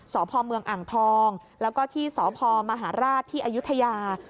สพเมืองอ่างทองแล้วก็ที่สพมหาราชที่อายุทยา